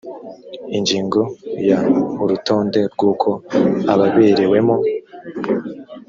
ingingo ya urutonde rw uko ababerewemo